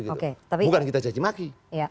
bukan kita caci maki